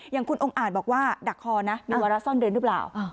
อย่างคุณองค์อาจบอกว่าดักคอนะมีวาระซ่อนเร้นหรือเปล่า